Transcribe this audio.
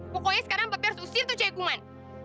pokoknya sekarang papi harus usir tujuan ikuman